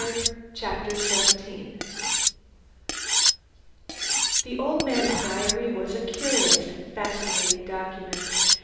_ Chapter Seventeen The old man's diary was a curious and fascinating document.